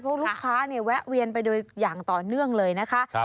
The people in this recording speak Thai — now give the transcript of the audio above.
เพราะลูกค้าเนี่ยแวะเวียนไปโดยอย่างต่อเนื่องเลยนะคะ